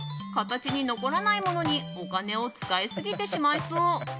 形に残らないものにお金を使いすぎてしまいそう。